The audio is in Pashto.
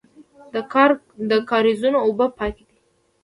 د کاریزونو اوبه پاکې دي